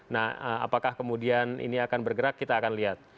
nah apakah kemudian ini akan bergerak kita akan lihat